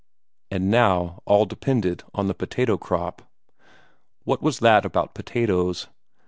And now all depended on the potato crop. What was that about potatoes?